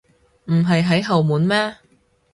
唔係喺後門咩？